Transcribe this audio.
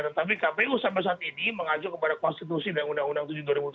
tetapi kpu sampai saat ini mengajuk kepada konstitusi dan undang undang dua ribu tujuh belas